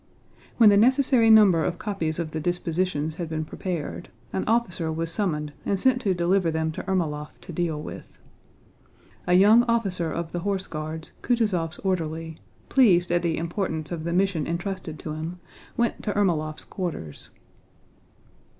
When the necessary number of copies of the dispositions had been prepared, an officer was summoned and sent to deliver them to Ermólov to deal with. A young officer of the Horse Guards, Kutúzov's orderly, pleased at the importance of the mission entrusted to him, went to Ermólov's quarters.